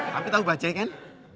tapi tau bacay kan